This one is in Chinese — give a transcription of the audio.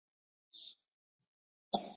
菱果薹草为莎草科薹草属的植物。